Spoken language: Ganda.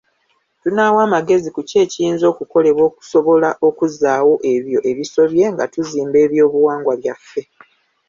Tunaawa amagezi ku kiki ekiyinza okukolebwa okusobola okuzzaawo ebyo ebisobye nga tuzimba ebyobuwangwa byaffe.